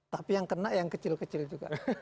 tapi yang kena yang kecil kecil juga